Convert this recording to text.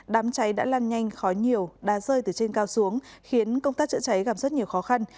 đám cháy đã lan nhanh khói nhiều đá rơi từ trên cao xuống khiến công tác chữa cháy gặp rất nhiều khó khăn